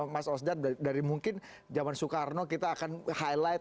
mas osdar dari mungkin zaman soekarno kita akan highlight